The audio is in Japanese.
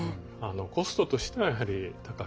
コストとしてはやはり高くなる。